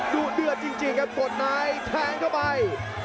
ดูดื้อจริงกับกดนายแทงเข้าไป